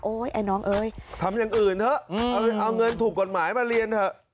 ไอ้น้องเอ๋ยทำอย่างอื่นเถอะเอาเงินถูกกฎหมายมาเรียนเถอะ